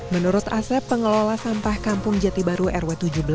menurut asep pengelola sampah kampung jatibaru rw tujuh belas